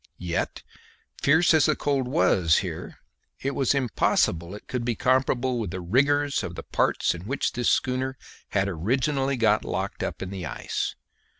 Yet, fierce as the cold was here, it was impossible it could be comparable with the rigours of the parts in which this schooner had originally got locked up in the ice.